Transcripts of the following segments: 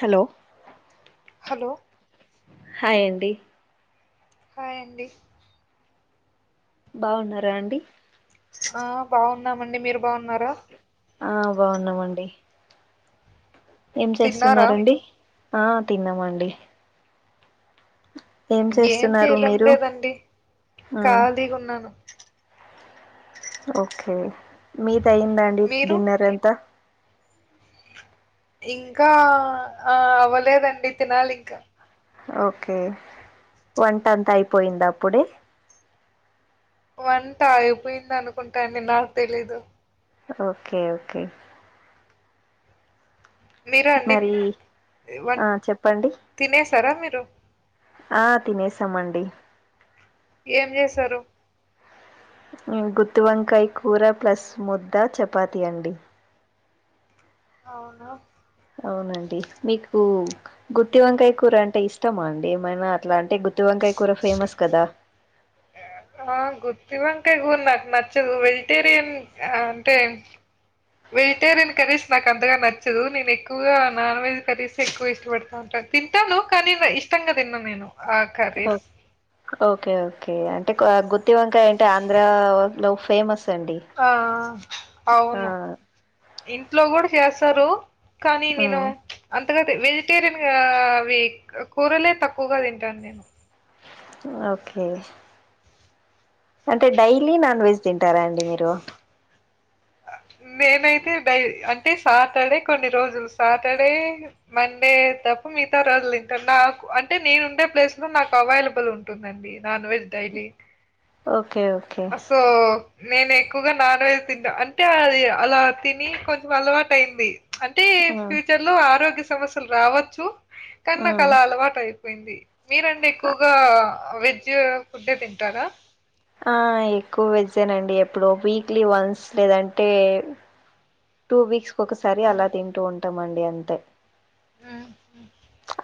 Hello hello hi అండి hi అండి బావున్నారా అండి ఆ బావున్నామండి మీర్ బావున్నారా? ఆ బావున్నామండి. ఏం తిన్నారా చేస్తున్నారండి? ఆ తిన్నాం అండి. ఏం చేస్తున్నారు? చేయడం మీరు లేదండి ఆ ఖాళీగా ఉన్నాను ఓకే మీద్ అయ్యిందా అండి మీరు డిన్నర్ అంత ఇంకా ఆ అవ్వలేదండి తినాలి ఇంకా ఓకే వంటంతా అయిపోయింద అప్పుడే వంట అయిపోయింద్ అన్కుంటాండి నాక్ తెలీదు. ఓకే ఓకే మీరు అండి మరి వన్ ఆ చెప్పండి తినేసారా మీరు ఆ తినేసామండి ఏం చేసారు? గుత్తివంకాయ్ కూర ప్లస్ ముద్ద చపాతి అండి అవున అవ్నండి మీకు గుత్తివంకాయ్ కూర అంటే ఇష్టమా అండి ఏమైనా ఇట్లా అంటే గుత్తివంకాయ్ కూర ఫేమస్ కదా ఆ గుత్తివంకాయ్ కూర నాక్ నచ్చదు వెజిటేరియన్ అంటే వెజిటేరియన్ కర్రీస్ నాక్ అంతగా నచ్చదు నేన్ ఎక్కువ్గా నాన్ వెజ్ కర్రీస్ ఎక్కువ్ ఇష్టపడ్తా తింటాను కానీ ఇష్టంగా తిన్ను నేను ఆ ఓ కర్రీస్. ఓకే ఓకే అంటే గ్ గుత్తి వంకాయ అంటే ఆంధ్ర లో ఫేమస్ అండి ఆ ఆ అవును ఇంట్లో కూడా చేస్తారు కానీ నేను ఉమ్ అంతగంటే వెజిటేరియన్ గా అవి కూరలే తక్కువగా తింటాను నేను. ఓకే అంటే డైలీ నాన్ వెజ్ తింటారా అండి మీరు నేనైతే డై అంటే సాటర్డే కొన్ని రోజులు సాటర్డే మండే తప్ప మిగతా రోజులుతింట నాకు అంటే నేను ఉండే ప్లేస్ లో నాకు అవైలబుల్ ఉంటుందండి. Non veg daily okay okay ఆ సో నేను ఎక్కువగా నాన్ వెజ్ తింటా అంటే అది అలా తిని కొంచెం అలవాటయింది. అంటే ఉమ్ ఫ్యూచర్ లో ఆరోగ్య సమస్యలు రావచ్చు కానీ నాకు ఉమ్ అలా అలవాటు అయి పోయింది మీరండి ఎక్కువగా వెజ్ ఫుడ్డే తింటారా? ఎక్కువ వెజ్జేనండి ఎప్పుడు వీక్లీ వన్స్ లేదంటే టూ వీక్స్ కు ఒకసారి ఆ, అలా ఉమ్, తింటూ ఉంటామండి అంతే ఉమ్.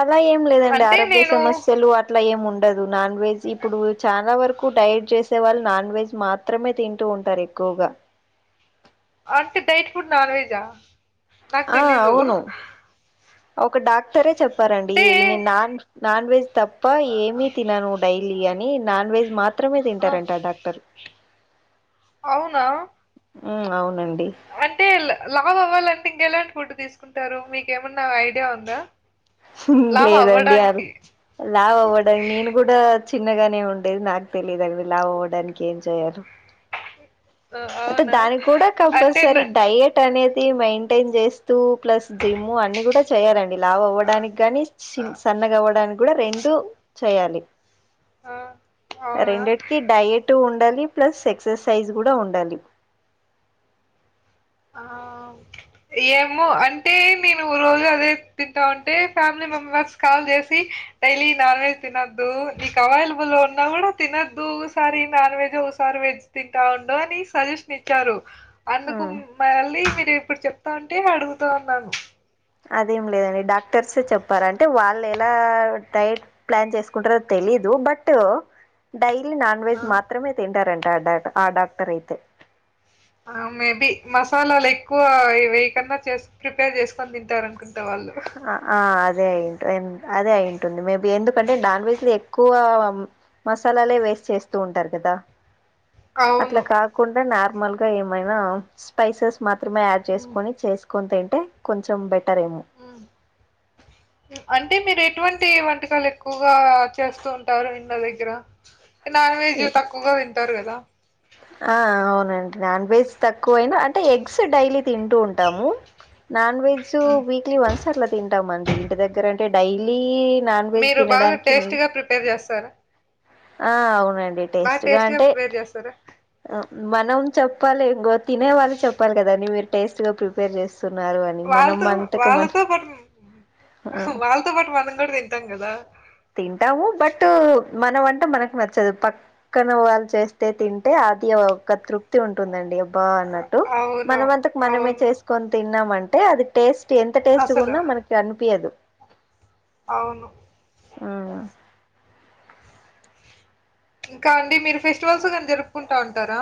అలా ఏం లేదండి అంటే ఆరోగ్య నేను సమస్యలు అట్ అట్ల ఏం ఉండదు నాన్ వెజ్ ఇప్పుడు చాలా వరకు డైట్ చేసే వాళ్ళు నాన్ వెెజ్ మాత్ త్రమే తింటూ ఉంటారు ఎక్కువగా అంటే డైట్ ఫుడ్ నాన్ వెజా నాకు ఆ తెలీదు అవును ఒక డాక్టరే చెప్పారండి అంటే ఈ నేను నాన్ నాన్ వెజ్ త ప్ప ఏమీ తినను డైలీ అని నాన్ వెజ్ మాత్రమే ఆ, తింటారంట డాక్టర్ టరు అవునా ఉమ్ అవునండి అంటే లావ్ లా వవ్వాలంటే ఇంకెలాంటి ఫుడ్ తీసుకుంటారు మీకేమన్నా ఐడియా ఉందా లావు లేదండి అ అవ్వడానికి లావవ్వడానికి నేను కూడా చిన్నగానే ఉండేది నాకు తెలియదు మీరు లావవ్వడానికి ఏం చేయాలొ ఆ అంటే అవునా దానికి కూడా అంటే న కంపల్సరీ డయ ట్ అనేది మెయింటైన్ చేస్తూ ప్లస్ జిమ్ అన్ని కూడా చేయాలండి గని ఆ సిన్ సన్నగావడానికి కూడా రెండు చేయాలి ఆ అవునా రెండిటికి డయట్ ఉండాలి ప్లస్ ఎక్సర్సైజ్ కూడ ఉండాలి ఆ ఏమో అంటే నేను రోజు అదే తింటా ఉంటే ఫ్యామిలీ మెంబెర్స్ కాల్ చేసి డైలీ నాన్ వెజ్ తినద్దు నీకు అవైలబుల్ ఉన్నా కూడా తినద్దు సారి నాన్ వెజ్ ఒకసారి వెజ్ తింటా ఉండు అని సజెషన్ ఇచ్చారు అందుకు ఉమ్ మళ్ళీ మీరు ఇప్పుడు చెప్తా ఉంటే అడుగుతా ఉన్నాను అదేం లేదండి డాక్టర్స్ చెప్పారు అంటే వాళ్ళు ఎలా డైట్ ప్లాన్ చేసుకుంటారో తెలీదు బట్ డైలీ నాన్ ఆ వెజ్ మాత్రమే తింటారంట ఆ డా ఆ డాక్టర్ అయితే మేబి మసాలాలు ఎక్కువ ఇ వే కన్నా చే ప్రిపేర్ చేసుకొని తింటారనుకో అంత వాళ్ళు అ అదే అయింట అదే అయింటుంది మేబి ఎందుకంటే నాన్న్వజ్లు ఎక్కువ మసాలాలే వేస్ట్ చేస్తూ ఉంటారు కదా అట్లా అవును కాకుండా నార్మల్ గా ఏమైనా స్పైసెస్ మాత్రమే యాడ్ ఉమ్. చేసుకుని చేసు కొంత ఏంటే కొంచెం బెటర్ ఏమో హ్మ్. అంటే మీరు ఎటువంటి వంటకాలు ఎక్కువగా చేస్తూ ఉంటారు ఇండ్ల దగ్గర నాన్ వెజ్ ఈ తక్కువగా తింటారు కదా ఆ అవునండి నాన్ వెజ్ తక్కువైనా అంటే ఎగ్స్ డైలీ తింటూ ఉంటాము నాన్ వెజ్ హ్మ్. వీక్లీ వన్స్ అట్ల తింటాంమండి ఇంటి దగ్గర టె డైలీ నాన్ వెెజ్ మీరు బాగా తినడానికి టేస్టీగా ప్రిపేర్ చేస్తారా ఆ అవునండి బా టేస్ట్గా టేస్ట్ గా అంటే ప్రిపేర్ చేస్తరా మనం చెప్పాలేంగ తినే వాళ్ళు చెప్పాలి కదా అండి మీరు టేస్ట్ గా ప్రిపేర్ చేస్ స్తున్నారు అని మనం వాళ్ళతో అంతక మన వాళ్ళతో ఆ తోపాటు మనం గుడ తింటాం గదా తింటాము బట్ మన వంట మనకు నచ్చదు ప క్కన వాళ్ళు చేస్తే తింటే అది ఒక తృప్తి మంచిగుటుందండి అబ్బా అన్నట్టు అవును. మనమంతకు మనమే అవును. చేసుకొని తిన్నామంటే అది టేస్ట్ ఎంత టెస్ట్ అసలు గున్నా మనకి అనిపియదు అవును ఆ ఇంకా అండి మీరు ఫెస్టివల్స్ను జరుపుకుంటా ఉంటారా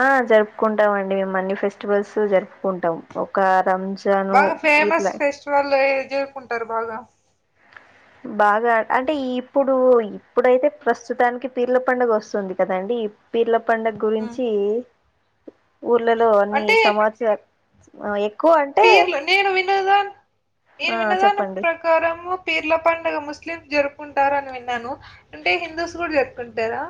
ఆ జరుపుకుంటాం అండి అన్ని ఫెస్టివల్స్ జరుపుకుంటాం ఒక రంజ బాగా ఫేమస్ ఫెస్టివల్లో ఏది జరుపుకుంటరు బాగా బాగా అంటే ఇప్పుడు ఇప్పుడైతే ప్రస్తుతానికి పీర్ల పండుగ వస్తుంది కదండి పీర్ల పండగ హ్మ్. గురించి ఊర్లలో అన్ని అంటే సమస్య అ ఎక్కువ అంటే పీర్లు నేను విన్నదా నేను ఆ విన్నదా చెప్పండి ప్ర కారము పీర్ల పండగ ముస్లిం జరుపుకుంటారు అని విన్నాను అంటే హిందూస్ కూడా జరుపుకుంటారా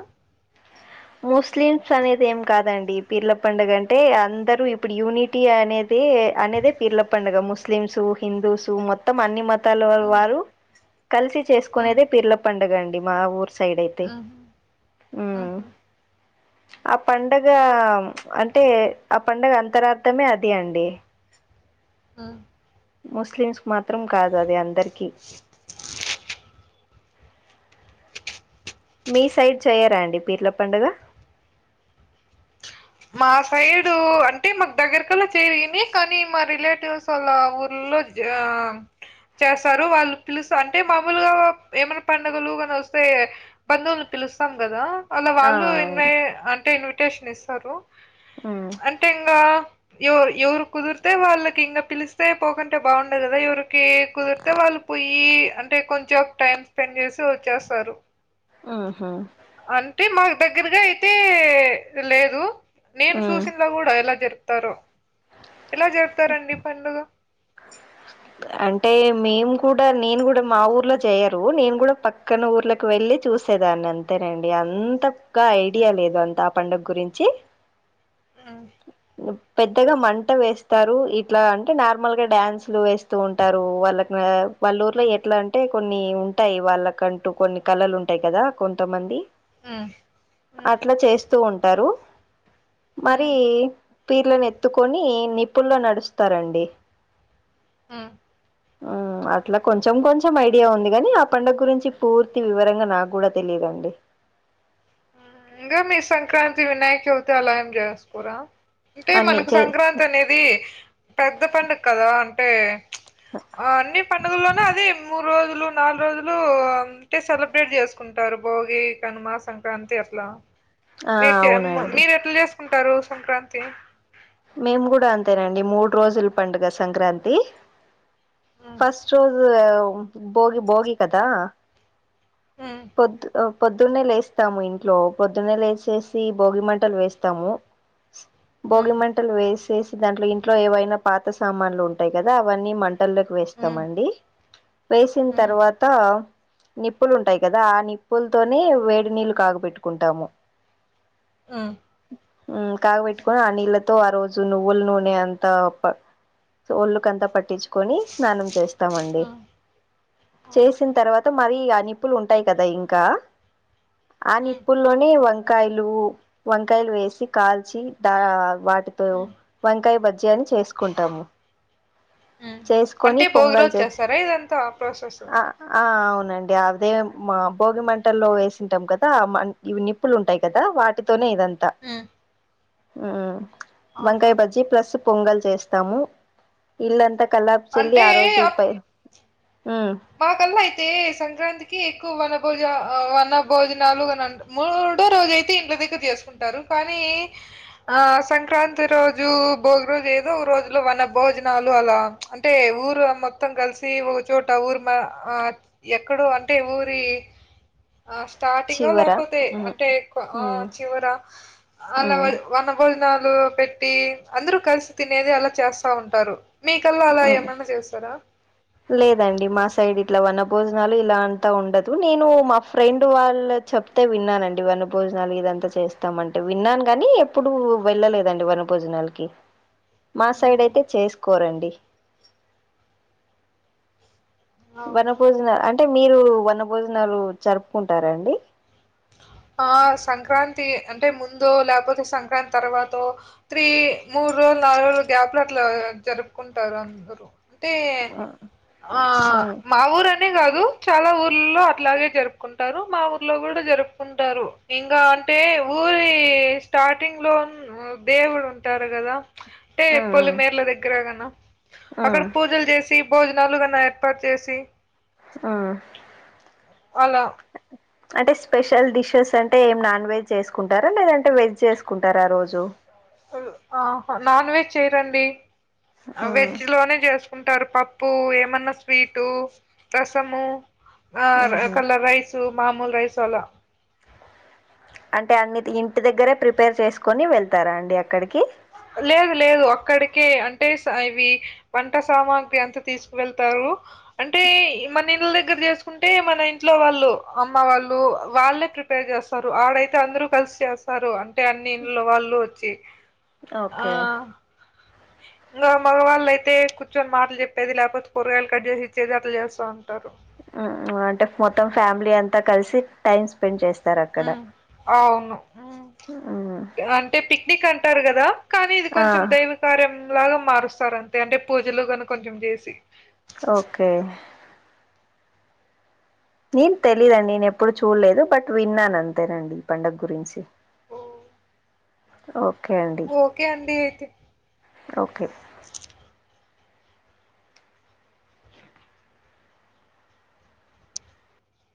ముస్లిమ్స్ అనేది ఏం కాదండి పిర్ల పండగ అంటే అందరు ఇప్పుడు యూనిట్ టి అనేదే అనేదే పీర్ల పండగ ముస్లిమ్స్ హిందూస్ మొత్తం అన్ని మత మతాల వారు కలిసి చేసుకునేదే పిర్ల పండగ అండి మా ఊరు సైడ్ అయితే ఉ ఉ ఆ పండగ అంటే ఆ పండగ అంతరార్ధమే అది అండి ఉ ముస్లిమ్స్ మాత్రం కాదు అది అందరికి మీ సైడ్ చేయ్యరా అండి పీర్ల పండగ మా సైడు అంటే మాకు దగ్గరకలా చెయ్యరు కానీ మా రిలేటివ్స్ చాల ఊర్లోలో [unintelligible] చేస్తారు వాళ్ళు పిలుస్త అంటే మామూలుగా ఏమైనా పండుగలు కానీ వస్తే బంధువులు పిలుస్తాం కదా అలా ఆ వాళ్ళు అవును ఇన్వై అంటే ఇన్విటేషన్ ఇస్తారు ఉ అంటే ఇంకా ఎవ ఎవరు కుదిరితే వాళ్ళకి ఇంకా పిలిస్తే పోకుంటే బాగుండదు కదా ఎవరు కే కుదిరితే వాళ్ళు పోయి అంటే కొంచెం టైమ్ స్పెండ్ చేసి వచ్చేస్తారు ఉహు అంటే మాకు దగ్గరగా అయితే లేరు నేను ఉమ్ చూసిండ కూడా ఎలా జరుపుతారో ఎలా జరుపుతారండి ఈ పండుగ అంటే మేము కూడా నేను కూడా మా ఊర్లో చేయరు నేను కూడా పక్కన ఊర్లో కు వెళ్ళి చూసేదాన్ని అంతేనండి అంత గా ఐడియా లేదు అంత ఆ పండుగ గురించి ఉ ఉ పెద్దగా మంట వేస్ త్తరు ఇట్ల అంటె నార్మల్గగా డ్యాన్స్లు వేస్తూ ఉంటారు వాళ్ళక్ ఆ వాళ్ళూర్లో హ్మ్ ఎట్లంటే కొన్ని ఉంటాయి వాళ్ళకంటు కొన్ని కళలు ఉంటాయి కదా కొంతమంది ఉ అట్ల చేస్తూ ఉంటరు మరీ హ్మ్ పీర్లని ఎత్తుకొనీ నిప్పుల్లో నడుస్తారండి ఉమ్ ఆ అట్ల కొంచం కొంచం ఐడియ ఉంది గని ఆ పండగా గురించి పూర్తిగా వివరంగా నాగూడ తెలీదండి మ్మ్ ఇంగా మీ సంక్రాంతి వినాయక చవితి అలా ఏమీ చేస్కొరా అంటే అన్ని మనకు చే సంక్రాంతి తనేది పెద్ద పండగా కదా అంటే ఆ అన్ని పండగల్లోనే అది మొ మూడు రోజులు నాలుగు రోజులూ ఉంటే సెలబ్రేట్ చేస్కుంటారు భోగి కనుమా సంక్రాంతి ఇక అంతె అట్ల ఆ మీకెమ్ అవునండి మీరెట్ల చేస్కుంటారు సంక్రాంతి మేము గూడ అంతేనండి మూడు రోజులు పండుగ సంక్రాంతి హ్మ్. ఫస్ట్ రోజు భోగి భోగి కదా హ్మ్. పొద్ద్ అ పొద్దున్నే లేస్తాము ఇంట్లో పొద్దున్నె లేచేసి భోగి మంటలు వేస్తాము భోగి హ్మ్. మంటలు వేసేసి దాంట్లొ ఇంట్లొ ఏవైన పాత సామాన్లు ఉంటయి కదా అవన్ని మంట్ మంటలోకి హ్మ్. వేస్తమండి వేసిన్ హ్మ్. తర్వాతా నిప్పుల్ ఉంటయ్ కదా ఆ నిప్పుల్తోని వేడి నీళ్ళు కాగబెట్టుకుంటాము ఉమ్ ఉమ్ కాగ బెట్టుకొని ఆ నీళ్లతో తో ఆ రోజు నువ్వుల్ నూనె అంతా ఒప్ప ఒళ్ళుకంతా పట్టించుకొని స్నానం చేస్ చేస్తామండి హ్మ్. చేసిన తర్వాత మరీ ఇగ ఆ నిప్పుల్ ఉంటాయ్ కదా ఇంకా ఆ హ్మ్. నిప్పుల్లోనే వంకాయలు వంకాయల్ వేసి కాల్చి దా వాట్ వాటితో హ్మ్. వంకాయ బజ్జి అని చేస్కుంటాము ఉమ్ అంటె భోగి రోజు చేస్తరా ఇదంతా ప్రాసెస్ అ ఆ ఔనండి అదె మా భోగి మంటల్లో వేసుంటం కదా అ మంట్ ఇవి నిప్పుల్ ఉంటయ్ కదా వాటి తొనె ఇదంత హ్మ్. ఉమ్ అవునా? వంకాయ్ బజ్జి ప్లస్స్ పొంగల్ చేస్తము ఇల్లంతా కల్లాపి చల్లి అంటే ఆ రోజు ఉపేయ్ ఉమ్ మాకల్ ఐతే సంక్రాంతికి ఎక్కువ వన భోజ ఆ వన భోజనాలు అని అంట మూడో రోజైతే ఇంట్ల దగ్గర చేస్కుంటరు కానీ ఆ సంక్రాంతి రోజు భోగి రోజు ఏదో ఒకరోజుల్లో వన భోజనాలు అలా అంటే ఊరు మొత్తం గల్సి ఒక చోట ఊర్ మా ఆ ఎక్కడో అంటె ఊరి అ స్టార్టింగ్ చివర లేకపోతే మ్మ్ అంటే ఎక్కువ ఆ మ్మ్ చివర అలా మ్మ్ వన భోజనాలు పెట్టి అందరు కలిసి తినేది అల చేస్తా ఉంటారు మీక్ అలా మ్మ్ ఏమన్న చేస్తారా లేదండి మా సైడ్ ఇట్ల వన భోజనాలు ఇలా అంత ఉండదు నేనూ మా ఫ్రెండ్ వాళ్ళ చెప్ చెప్పితే విన్నానండి వన భోజనాలు ఇదంతా చేస్తాం అంటె విన్నాన్ గనీ ఎప్పుడూ వెళ్ళలేదండి వన భోజనాలకి మా ఉమ్, సైడ్ ఐతె చేసుకోరండి వన అవునా భోజనలు అంటె మీరూ వన భోజనాలు జరుపుకుంటారండి ఆ సంక్రాంతి అంటె ముందో లేకపోతె సంక్రాంతి తర్వాతో త్రీ మూడు రోజుల్ నాలు రోజుల గ్యాప్ లో అట్లా జరుపుకుంటారు అందరూ టీ ఆ ఆ మా ఊరనే గాదు చాల ఊర్లల్లో అట్లాగే జరుపుకుంటారు మా ఊరి మా ఊరిలో కూడా జరుపుకుంటారు ఇంగా అంటే ఊరీ స్టార్టింగ్ లో ఊమ్ దేవుడ్ ఉంటారు గదా అంటే ఆ పొలిమేర్ల దగ్గరగన ఆ అక్కడ పూజల్ జేసి భోజనాలు గాన ఏర్పాటు చేసి ఆ అలా అంటే స్పెషల్ డిషెస్ అంటే ఏం నాన్ వెజ్ చేసుకుంటారా లేదంటే వెజ్ చేసుకుంటారా ఆ రోజు మ్ ఆహ నాన్ వెజ్ చేయరండి ఆ వెజ్ లోనే చేసు కుంటారు పప్పు ఏమన్నా స్వీటు రసము ఆ ఆహా కలర్ రైసు మామూలు రైస్ అలా అంటే అన్ని ఇంటి దగ్గరే ప్రిపేర్ చేసుకొని వెళ్తారా అండి అక్కడికి లేదు లేదు అక్కడికే అంటే స ఇవి వంట సామాగ్రి అంత తీసుకువెళ్తారు అంటే మన ఇండ్ల దగ్గర చేసుకు అంటే మన ఇంట్లో వాళ్ళు అమ్మ వాళ్ళు వాళ్ళే ప్రిపేర్ చేస్తారు ఆడైతే అందరూ కలిసి చేస్ తారు అంటే అన్ని ఇండ్లలో వాళ్లు వచ్చి ఓకే ఇట్లా మగవాళ్లైతే కూర్చొని మాటలు చెప్పేది లేపోతే కూరగాయలు కట్ చేసి ఇచ్చేది అట్ల చేస్తా ఉంటారు హ్మ్ అంటే మొత్తం ఫ్యామిలీ అంతా కలిసి టైమ్ స్పెండ్ చేస్తారు అక్కడ హ్మ్ అవును హ్మ్ మ్మ్ అంటే పిక్నిక్ అంటారు కదా కానీ ఇది ఆ కొంచెం దైవ కార్యం లాగా మారుస్తారు అంతే అంటే పూజలుగనం కొంచెం చేసి ఓకే నేను తెలిదు అండి నేను ఎప్పుడు చూడలేదు బట్ విన్నాను అంతేనండి ఈ పండగ గురించి ఓ, ఓకే అండి ఓకే అండి అయితే ఓకే